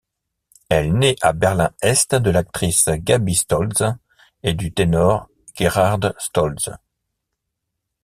Elle naît à Berlin-Est de l'actrice Gabi Stolze et du ténor Gerhard Stolze.